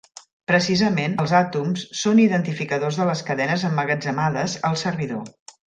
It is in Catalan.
Precisament, els àtoms són identificadors de les cadenes emmagatzemades al servidor.